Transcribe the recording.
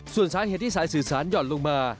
ส่วนสาเหตุที่สายสื่อสารหย่อนลงมา